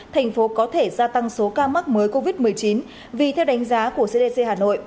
thành phố có thể gia tăng số ca mắc mới covid một mươi chín vì theo đánh giá của cdc hà nội